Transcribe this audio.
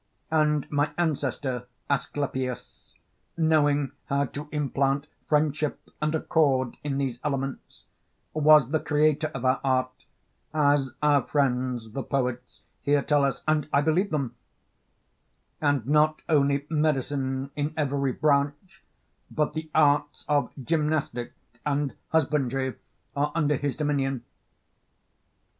And my ancestor, Asclepius, knowing how to implant friendship and accord in these elements, was the creator of our art, as our friends the poets here tell us, and I believe them; and not only medicine in every branch but the arts of gymnastic and husbandry are under his dominion.